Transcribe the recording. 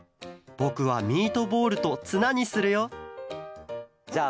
ぼくはミートボールとツナにするよじゃあ